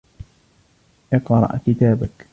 أقرأ كتابك.